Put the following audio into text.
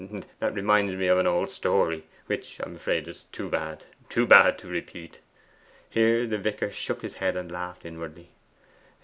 That reminds me of an old story which I'm afraid is too bad too bad to repeat.' Here the vicar shook his head and laughed inwardly.